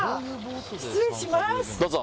失礼します。